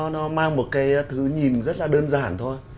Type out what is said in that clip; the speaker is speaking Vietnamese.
nó mang một cái thứ nhìn rất là đơn giản thôi